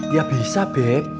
ya bisa beb